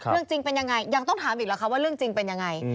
เรื่องจริงเป็นยังไงยังต้องถามอีกหรอคะว่าเรื่องจริงเป็นยังไง